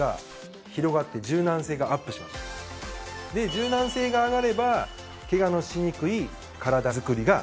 柔軟性が上がればケガのしにくい体づくりが目指せます。